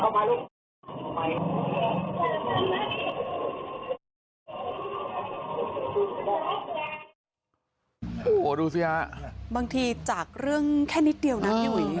แม่แม่แม่ดูสิฮะบางทีจากเรื่องแค่นิดเดียวนั้นอยู่อย่างงี้